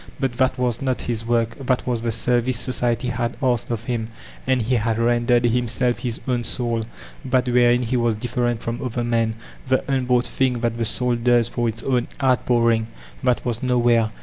But that was not hb work ; that was the service society had asked of him and he had rendered ; himself, his own soul, that wherein be was diflPerent from other men, the unboQght thing Aat the soul does for its own outpouring, — that was no where.